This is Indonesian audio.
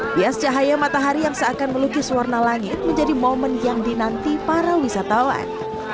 bias cahaya matahari yang seakan melukis warna langit menjadi momen yang dinanti para wisatawan